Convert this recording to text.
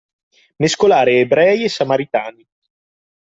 Mescolare ebrei e samaritani.